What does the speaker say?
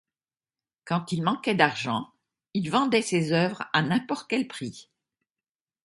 Quand il manquait d'argent il vendait ses œuvres à n'importe quel prix.